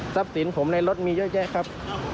ทรัพย์สินผมในรถมีเยอะแยะครับ